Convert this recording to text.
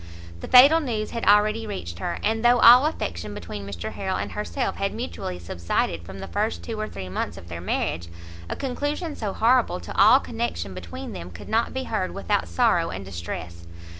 The fatal news had already reached her; and though all affection between Mr Harrel and herself had mutually subsided from the first two or three months of their marriage, a conclusion so horrible to all connection between them could not be heard without sorrow and distress.